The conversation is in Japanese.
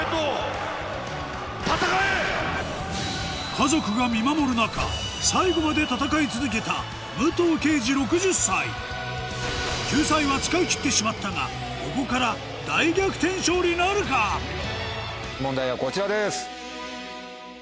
家族が見守る中最後まで救済は使い切ってしまったが問題はこちらです。